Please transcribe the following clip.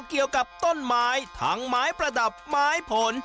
เกี่ยวกับต้นไม้ทั้งไม้ประดับไม้ผล